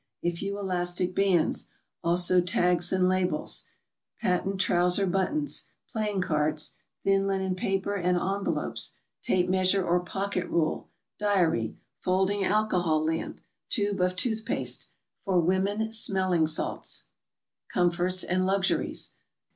A few elastic bands; also tags and labels. Patent trouser buttons. Playing cards. Thin linen paper and envelopes. Tape measure or pocket rule. Diary. Folding alcohol lamp. Tube of tooth paste. Fur women, smelling salts. COMFORTS AND LUXURIES.